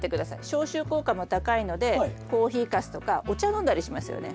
消臭効果も高いのでコーヒーかすとかお茶飲んだりしますよね。